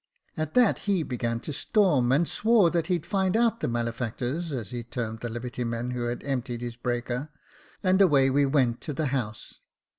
At that he began to storm, and swore that he'd find out the male factors, as he termed the liberty men, who had emptied his breaker ; and away he went to the house.